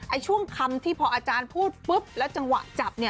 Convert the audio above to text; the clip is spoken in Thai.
ช่วงคำที่พออาจารย์พูดปุ๊บแล้วจังหวะจับเนี่ย